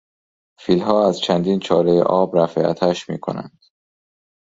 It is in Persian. فیلها از چندین چالهی آب رفع عطش میکنند.